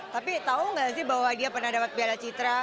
tapi tahu nggak sih bahwa dia pernah dapat piala citra